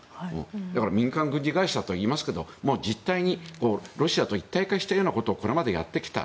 だから民間軍事会社といいますけど実態にロシアと一体化したようなことをこれまでやってきた。